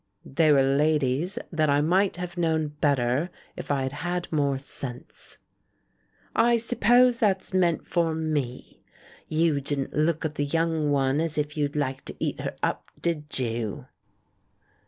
"They were ladies that I might have known better if I had had more sense." "I suppose that's meant for me? You didn't look at the young one as if you'd like to eat her up, did you?"